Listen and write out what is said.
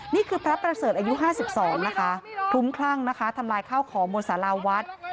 นี่คือพระประเสริฐอายุ๕๒นะคะคลุ้มคลั่งนะคะทำลายข้าวของบนสาราวัด